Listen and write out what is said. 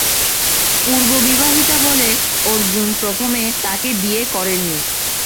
পূর্ব-বিবাহিতা বলে অর্জুন প্রথমে তাকে বিয়ে করেন নি।